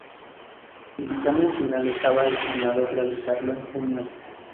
El dictamen final estaba estimado realizarlo en junio.